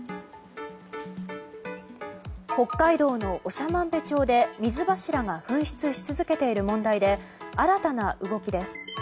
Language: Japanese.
北海道の長万部町で水柱が噴出し続けている問題で新たな動きです。